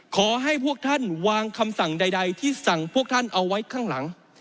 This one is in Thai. ขอให้พวกท่านวางคำสั่งใดที่สั่งพวกท่านเอาไว้ข้างหลัง